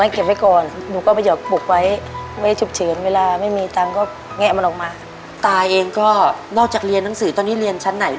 เขาให้ยังไง